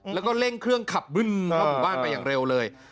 แล้วก็เร่งเครื่องขับบึ้นเข้าหมู่บ้านไปอย่างเร็วเลย